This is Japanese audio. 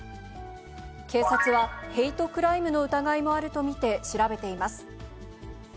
警察は、ヘイトクライムの疑いもあると見て調べています。